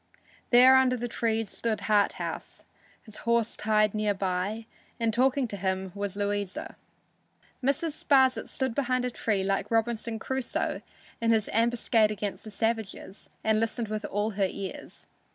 There under the trees stood Harthouse, his horse tied near by, and talking with him was Louisa. Mrs. Sparsit stood behind a tree, like Robinson Crusoe in his ambuscade against the savages, and listened with all her ears.